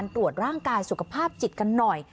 และตรวจร่างกายสุขภาพศิษย์กันหน่อย